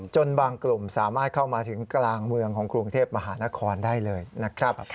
จนบางกลุ่มสามารถเข้ามาถึงกลางเมืองของกรุงเทพมหานครได้เลยนะครับ